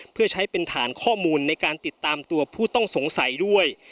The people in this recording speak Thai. เพื่อใช้เป็นฐานข้อมูลในการติดตามตัวผู้ต้องสงสัยด้วย